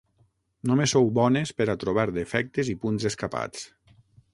Només sou bones per a trobar defectes i punts escapats.